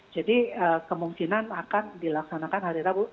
jadi kemungkinan akan dilaksanakan hari rabu